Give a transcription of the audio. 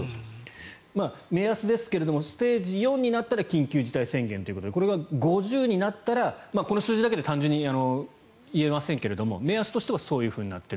目安ですがステージ４になったら緊急事態宣言ということでこれが５０になったらこの数字だけで単純に言えませんが目安としてはそうなっている。